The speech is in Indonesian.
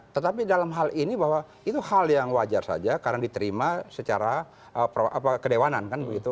tetapi dalam hal ini bahwa itu hal yang wajar saja karena diterima secara kedewanan kan begitu